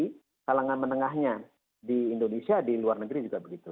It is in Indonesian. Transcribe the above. di kalangan menengahnya di indonesia di luar negeri juga begitu